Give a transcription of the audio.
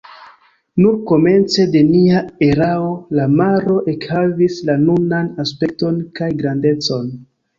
Nur komence de nia erao la maro ekhavis la nunan aspekton kaj grandecon.